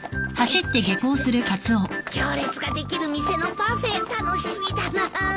行列ができる店のパフェ楽しみだな。